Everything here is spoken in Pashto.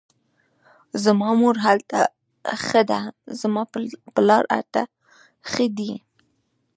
زما مور هلته ښخه ده, زما پلار هلته ښخ دی